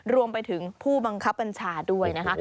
รวมไปถึงผู้บังคับบัญชาด้วยนะคะ